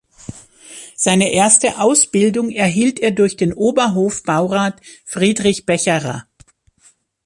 Seine erste Ausbildung erhielt er durch den Oberhofbaurat Friedrich Becherer.